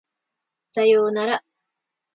左様なら